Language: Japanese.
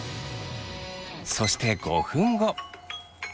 そして５分後。